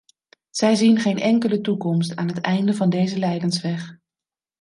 Zij zien geen enkele toekomst aan het eind van deze lijdensweg.